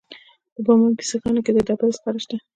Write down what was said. د بامیان په سیغان کې د ډبرو سکاره شته.